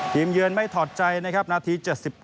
เยือนไม่ถอดใจนะครับนาที๗๘